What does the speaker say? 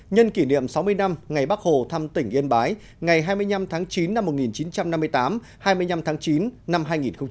nhân kỷ niệm sáu mươi năm ngày bắc hồ thăm tỉnh yên bái ngày hai mươi năm tháng chín năm một nghìn chín trăm năm mươi tám hai mươi năm tháng chín năm hai nghìn một mươi chín